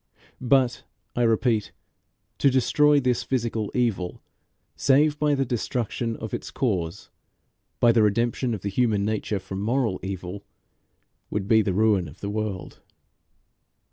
But, I repeat, to destroy this physical evil save by the destruction of its cause, by the redemption of the human nature from moral evil, would be to ruin the world.